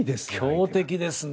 強敵ですね。